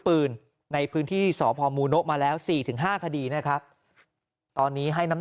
ปืนในพื้นที่สพมูโนะมาแล้ว๔๕คดีนะครับตอนนี้ให้น้ำ